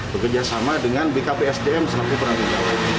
bekerjasama dengan bkpsdm selama keperangan